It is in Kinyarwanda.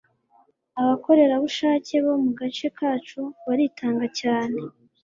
Abakorerabushake bo mugace kacu baritanga cyane